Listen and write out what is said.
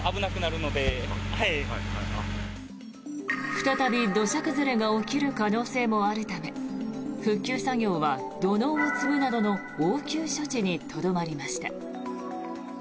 再び土砂崩れが起きる可能性もあるため復旧作業は土のうを積むなどの応急処置にとどまりました。